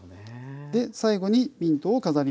最後にミントを飾ります。